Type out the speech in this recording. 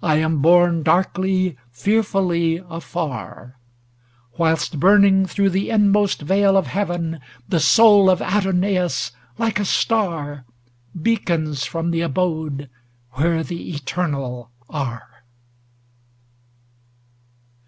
I am borne darkly, fearfully, afar; Whilst, burning through the inmost veil of Heaven, The soul of Adonais, like a star, Beacons from the abode where the Eternal are.